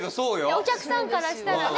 お客さんからしたらね。